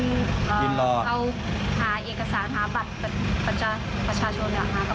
เอาหาเอกสารหาบัตรประชาชนฯหากระเป๋าแกอืม